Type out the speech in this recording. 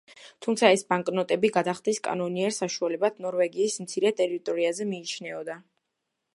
თუმცა ეს ბანკნოტები გადახდის კანონიერ საშუალებად ნორვეგიის მცირე ტერიტორიაზე მიიჩნეოდა.